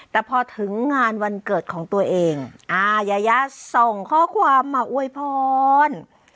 แต่พอถึงงานวันเกิดของตัวเองอ่ายายาส่งข้อความมาอวยพร